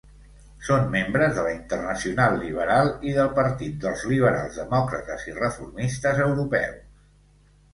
Són membres de la Internacional Liberal i del Partit dels Liberals Demòcrates i Reformistes Europeus.